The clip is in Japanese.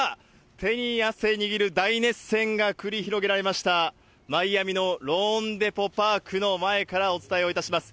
手に汗握る大熱戦が繰り広げられました、マイアミのローンデポ・パークの前からお伝えいたします。